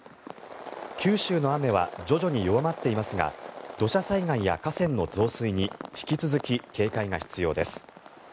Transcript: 九州の雨は徐々に弱まっていますが土砂災害や河川の増水に引き続き警戒が必要です。